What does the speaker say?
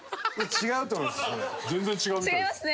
違うと思います。